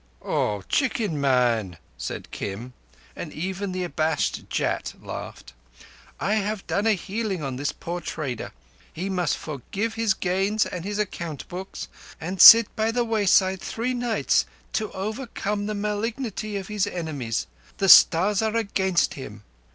"Oh, chicken man!" said Kim, and even the abashed Jat laughed. "I have done a healing on this poor trader. He must forsake his gains and his account books, and sit by the wayside three nights to overcome the malignity of his enemies. The Stars are against him."